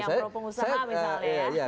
yang berhubung usaha misalnya ya